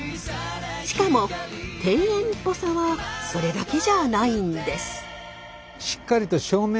しかも庭園っぽさはそれだけじゃないんです。